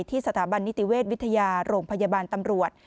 สถาบันนิติเวชวิทยาโรงพยาบาลตำรวจ